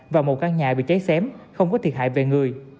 và một căn nhà bị cháy xém không có thiệt hại về người